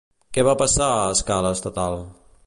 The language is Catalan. Què va passar a escala estatal?